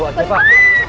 bawa aja pak